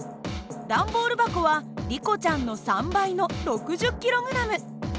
段ボール箱はリコちゃんの３倍の６０ｋｇ。